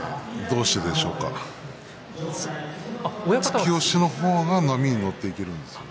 突き押しの方が波に乗っていけるんですよ。